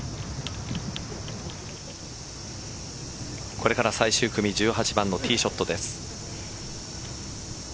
これから最終組１８番のティーショットです。